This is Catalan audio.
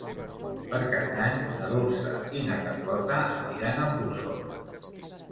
Per Cap d'Any na Dolça i na Carlota aniran a Puçol.